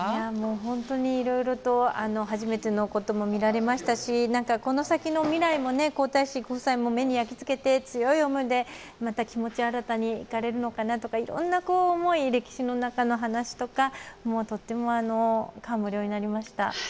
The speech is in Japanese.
本当にいろいろと初めてのことも見られましたしこの先の未来も皇太子ご夫妻も目に焼き付けて強い思いでまた気持ち新たにいかれるのかなとかいろんな思い、歴史の中の話とかとても感無量になりました。